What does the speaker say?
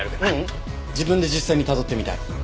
ううん自分で実際にたどってみたい。